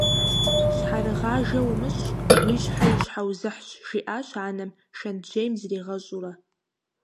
«Щхьэрыгъажэ умыщӏ, уи щхьэ и щхьэузыхьщ», - жиӏащ анэм, шэнтжьейм зригъэщӏурэ.